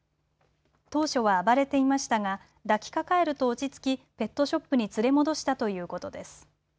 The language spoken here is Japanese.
当初は暴れていましたが抱きかかえると落ち着き、ペットショップに連れ戻したということです。